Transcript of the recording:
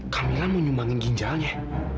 kamila mau nyumbangin ginjalnya